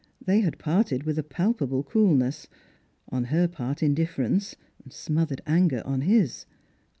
They had parted with a palpable coolness; on her part indifference, smothered anger on his.